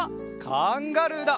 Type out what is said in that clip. カンガルーだ！